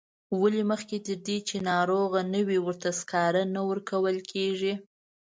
ولې مخکې تر دې چې ناروغه نه وي ورته سکاره نه ورکول کیږي.